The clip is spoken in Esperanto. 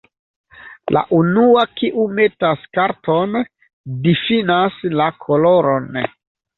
La unua, kiu metas karton difinas la koloron.